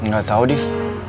gak tahu div